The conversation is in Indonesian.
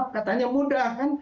katanya mudah kan